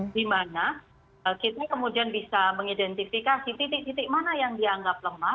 di mana kita kemudian bisa mengidentifikasi titik titik mana yang dianggap lemah